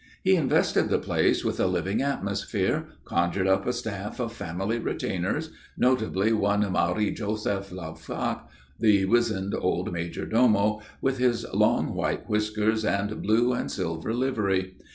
He invested the place with a living atmosphere; conjured up a staff of family retainers, notably one Marie Joseph Loufoque, the wizened old major domo, with his long white whiskers and blue and silver livery.